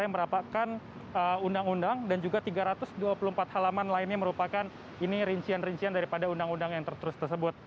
yang merapakan undang undang dan juga tiga ratus dua puluh empat halaman lainnya merupakan ini rincian rincian daripada undang undang yang tertulis tersebut